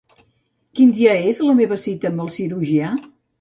Quin dia és la meva cita amb el cirurgià?